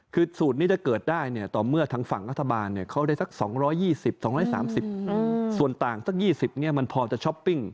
คือสูตรนี้ถ้าเกิดได้เนี่ยต่อเมื่อทางฝั่งรัฐบาลเขาได้สัก๒๒๐๒๓๐ส่วนต่างสัก๒๐มันพอจะช้อปปิ้ง